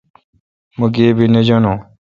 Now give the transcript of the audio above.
مہ گیبی نہ جانون